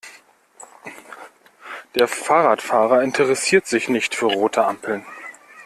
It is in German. Der Fahrradfahrer interessiert sich nicht für rote Ampeln.